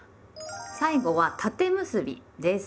最後は「縦結び」です。